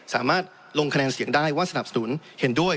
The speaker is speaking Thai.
สามารถลงคะแนนเสียงได้ว่าสนับสนุนเห็นด้วย